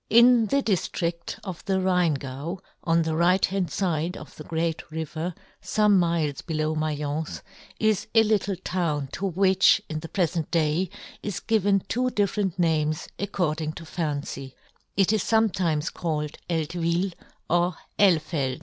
N the diftria of the Rhein gau, on the right hand fide of the great river, fome miles below Maience, is a little town to which, in the prefent day, is given two different names, ac cording to fancy ; it is fometimes called Eltvil or Elfeld.